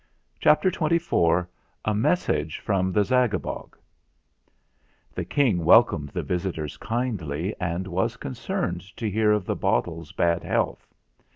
CHAPTER XXIV A MESSAGE FROM THE ZAGABOG The King welcomed the visitors kindly and was concerned to hear of the bottle's bad health.